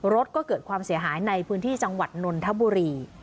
รถก็เกิดความเสียหายในพื้นที่จังหวัดนนทบุรี